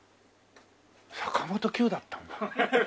坂本九だったんだ。